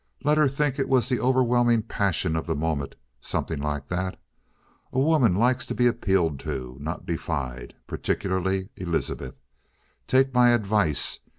Let her think it was the overwhelming passion of the moment; something like that. A woman likes to be appealed to, not defied. Particularly Elizabeth. Take my advice.